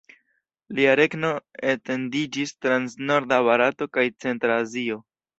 Lia regno etendiĝis trans norda Barato kaj centra Azio.